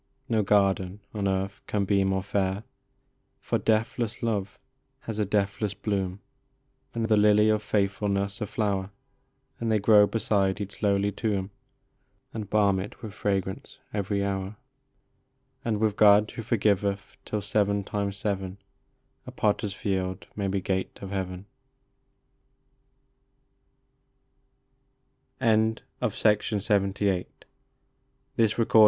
No garden on earth can be more fair ! For deathless love has a deathless bloom, And the lily of faithfulness a flower, And they grow beside each lowly tomb, And balm it with fragrance every hour ; And with God, who forgiveth till seven times seven, A potter s field may be gate of heaven UNEXHAUSTED.